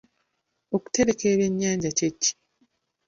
Okutereka ebyennyanja kye ki?